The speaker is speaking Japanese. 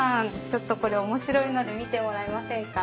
ちょっとこれ面白いので見てもらえませんか？